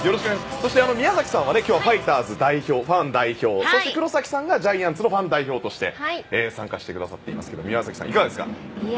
そして宮崎さんはファイターズのファン代表そして黒嵜さんがジャイアンツのファン代表として参加してくださっていますけど宮崎さん、いかがですか。